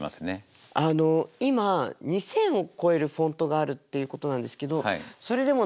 あの今２，０００を超えるフォントがあるっていうことなんですけどそれでも